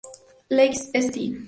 Lake St.